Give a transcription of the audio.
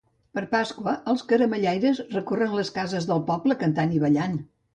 Per Pasqua, els caramellaires recorren les cases del poble cantant i ballant.